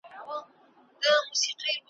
ژوند له دې انګار سره پیوند لري `